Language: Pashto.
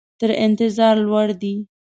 تر انتظار لوړ دي.